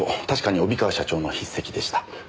確かに帯川社長の筆跡でした。